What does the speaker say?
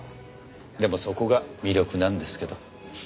でもそこが魅力なんですけど。